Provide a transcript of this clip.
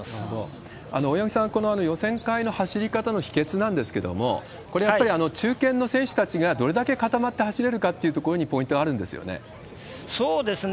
大八木さん、この予選会の走り方の秘けつなんですけれども、これ、やっぱり中堅の選手たちがどれだけ固まって走れるかっていうとこそうですね。